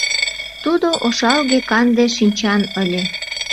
Тудо ошалге-канде шинчан ыле.